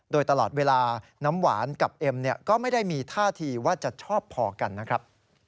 โดยตลอดเวลาน้ำหวานกับเอ็มก็ไม่ได้มีท่าทีว่าจะชอบพอกันนะครับ